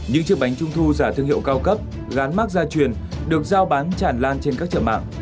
những chiếc bánh trung thu giả thương hiệu cao cấp gắn mát gia truyền được giao bán tràn lan trên các chợ mạng